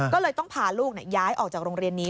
ก็เลยต้องพาลูกย้ายออกจากโรงเรียนนี้